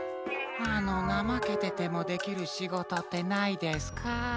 あのなまけててもできるしごとってないですか？